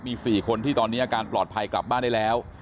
มี๔คนที่ตอนนี้อาการปลอดภัยกลับบ้านได้แล้ว